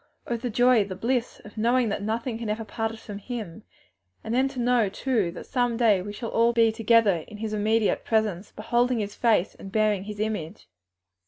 Oh the joy, the bliss of knowing that nothing can ever part us from Him! And then to know, too, that some day we shall all be together in His immediate presence, beholding His face and bearing His image!"